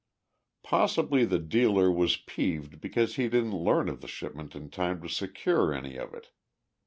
Possibly the dealer was peeved because he didn't learn of the shipment in time to secure any of it.